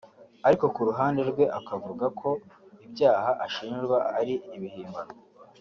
Ariko ku ruhande rwe akavuga ko ibyaha ashinjwa ari ibihimbano